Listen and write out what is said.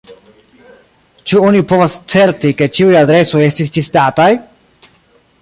Ĉu oni povas certi, ke ĉiuj adresoj estas ĝisdataj?